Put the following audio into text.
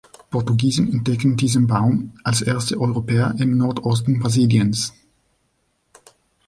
Portugiesen entdeckten diesen Baum als erste Europäer im Nordosten Brasiliens.